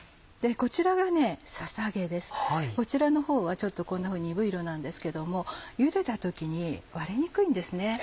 こちらの方はこんなふうに鈍い色なんですけどもゆでた時に割れにくいんですね。